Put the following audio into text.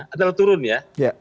antara turun ya